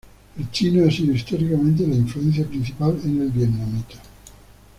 El chino ha sido históricamente la influencia principal en el vietnamita.